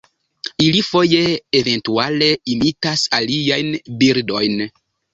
Ili foje eventuale imitas aliajn birdojn.